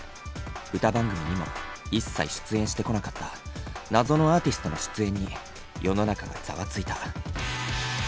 歌番組にも一切出演してこなかった謎のアーティストの出演に世の中がざわついた。